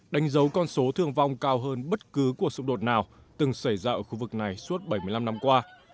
đánh dấu con số thương vong cao hơn bất cứ cuộc xung đột nào từng xảy ra ở khu vực này suốt bảy mươi năm năm qua